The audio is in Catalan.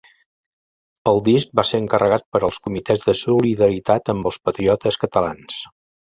El disc va ser encarregat per als Comitès de Solidaritat amb els Patriotes Catalans.